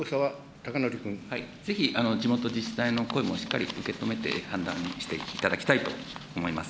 ぜひ、地元自治体の声もしっかり受け止めて判断していただきたいと思います。